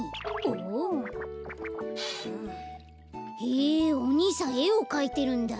へえおにいさんえをかいてるんだ。